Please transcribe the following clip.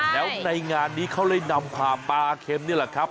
แล้วในงานนี้เขาเลยนำผ่าปลาเค็มนี่แหละครับ